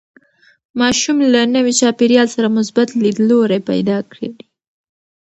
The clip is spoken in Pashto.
ماشوم له نوي چاپېریال سره مثبت لیدلوری پیدا کړي.